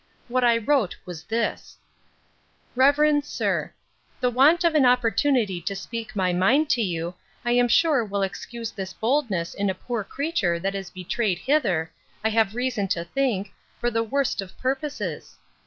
What I wrote was this: 'REVEREND SIR, 'The want of an opportunity to speak my mind to you, I am sure will excuse this boldness in a poor creature that is betrayed hither, I have reason to think, for the worst of purposes.